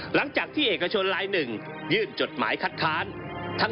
หลังจากที่เอกชนลายหนึ่งยื่นจดหมายคัดค้าน